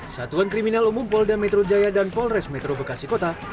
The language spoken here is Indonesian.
satuan kriminal umum polda metro jaya dan polres metro bekasi kota